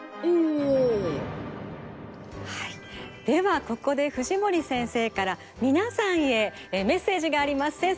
ではここで藤森せんせいからみなさんへメッセージがあります。